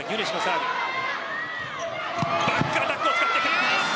バックアタックを使ってくる。